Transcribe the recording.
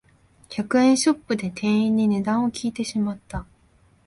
百円ショップで店員に値段を聞いてしまった